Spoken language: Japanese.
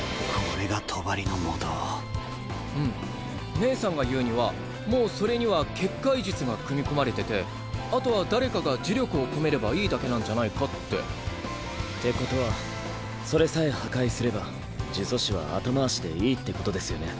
冥さんが言うにはもうそれには結界術が組み込まれててあとは誰かが呪力を込めればいいだけなんじゃないかってってことはそれさえ破壊すれば呪詛師は後回しでいいってことですよね